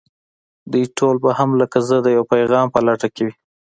دوی ټول به هم لکه زه د يوه پيغام په لټه کې وي.